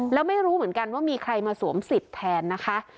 แล้วไม่รู้เหมือนกันว่ามีใครมาสวมสิทธิ์แทนนะคะ